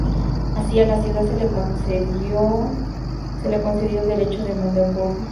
Así, a la ciudad se le concedió el Derecho de Magdeburgo.